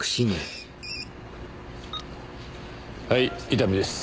はい伊丹です。